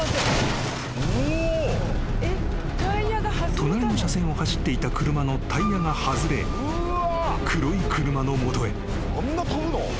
［隣の車線を走っていた車のタイヤが外れ黒い車の元へ］